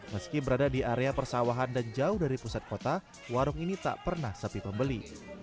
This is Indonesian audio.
meski berada di area persawahan dan jauh dari pusat kota warung ini tak pernah sepi pembeli